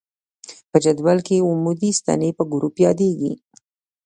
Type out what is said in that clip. په جدول کې عمودي ستنې په ګروپ یادیږي.